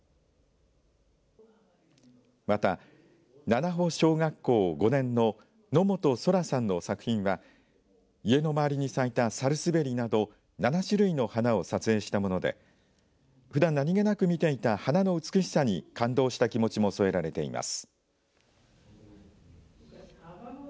また七保小学校５年の野本空良さんの作品は家の周りに咲いたサルスベリなど７種類の花を撮影したものでふだん何気なく見ていた花の美しさに感動した気持ちも添えられています。